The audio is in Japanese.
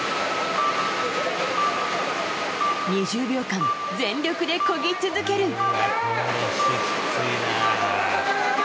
２０秒間、全力でこぎ続ける。